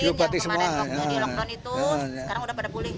di lockdown itu sekarang udah pulih